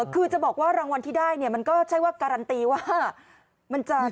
คือจะบอกว่ารางวัลที่ได้เนี่ยมันก็ใช่ว่าการันตีว่ามันจะ